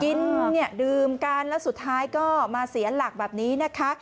กินเนี่ยดื่มกันแล้วสุดท้ายก็มาเสียหลักแบบนี้นะคะ